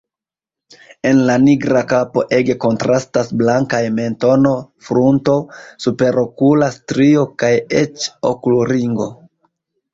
En la nigra kapo ege kontrastas blankaj mentono, frunto, superokula strio kaj eĉ okulringo.